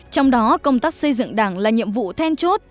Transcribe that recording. trong đó công tác xây dựng đảng là nhiệm vụ then chốt